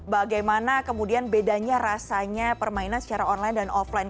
bagaimana kemudian bedanya rasanya permainan secara online dan offline